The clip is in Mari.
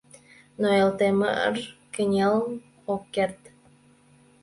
Но Элтемыр кынел ок керт.